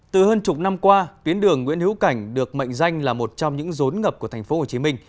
từ hơn chục năm qua tuyến đường nguyễn hữu cảnh được mệnh danh là một trong những rốn ngập của tp hcm